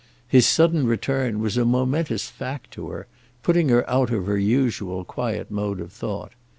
His sudden return was a momentous fact to her, putting her out of her usual quiet mode of thought.